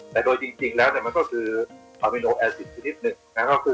แต่โดยจริงแล้วมันก็คือปลาวินโอแอซิดชีวิต๑